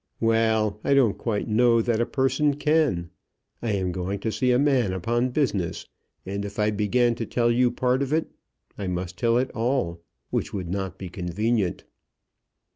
"Well; I don't quite know that a person can. I am going to see a man upon business, and if I began to tell you part of it, I must tell it all, which would not be convenient."